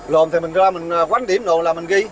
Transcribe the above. lộn thì mình ra mình quánh điểm nồn là mình ghi